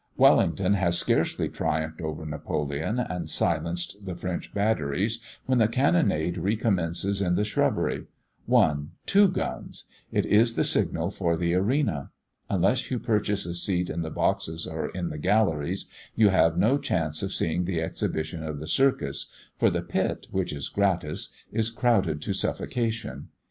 Wellington has scarcely triumphed over Napoleon, and silenced the French batteries, when the cannonade recommences in the shrubbery: one two guns! it is the signal for the arena. Unless you purchase a seat in the boxes or the galleries, you have no chance of seeing the exhibition in the circus, for the pit, which is gratis, is crowded to suffocation.